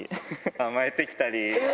甘えてきたり。